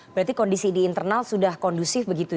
berarti kondisi di internal sudah kondusif begitu ya